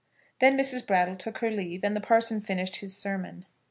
Then Mrs. Brattle took her leave, and the parson finished his sermon.